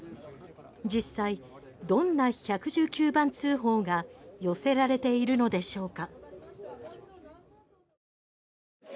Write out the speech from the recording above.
実際どんな１１９番通報が寄せられているのでしょうか？